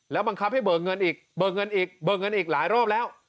บังคับให้เบิกเงินอีกเบิกเงินอีกเบิกเงินอีกหลายรอบแล้ว